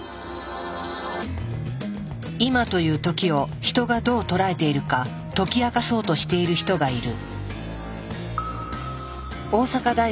今という時をヒトがどう捉えているか解き明かそうとしている人がいる。